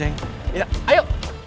saya akan menangkapmu